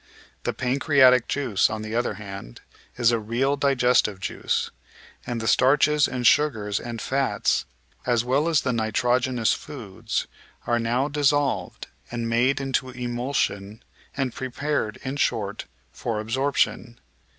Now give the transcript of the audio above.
The pancreatic juice, on the other hand, is a real digestive juice, and the starches and sugars and fats, as well as the nitrogenous foods, are now dissolved and made into emulsion, and prepared, in short, for absorption.